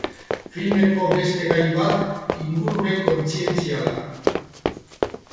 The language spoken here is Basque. Filmeko beste gai bat ingurumen-kontzientzia da.